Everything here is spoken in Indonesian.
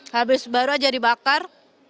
habis baru aja dibakar